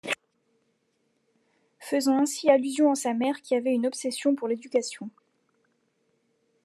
Faisant ainsi allusion à sa mère qui avait une obsession pour l'éducation.